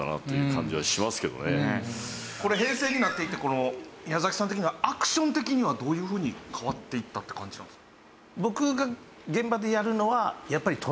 これ平成になっていって宮崎さん的にはアクション的にはどういうふうに変わっていったって感じなんですか？